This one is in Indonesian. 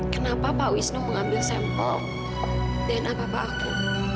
kenapa pak wisnu mengambil sampel dna bapak aku